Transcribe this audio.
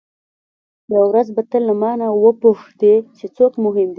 یوه ورځ به ته له مانه وپوښتې چې څوک مهم دی.